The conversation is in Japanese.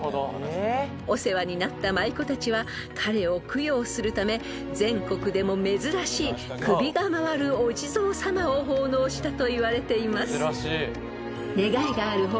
［お世話になった舞妓たちは彼を供養するため全国でも珍しい首が回るお地蔵さまを奉納したといわれています］